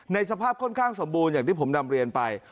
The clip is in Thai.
สภาพค่อนข้างสมบูรณ์อย่างที่ผมนำเรียนไป